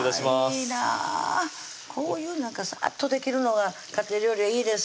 こういうサーッとできるのが家庭料理はいいです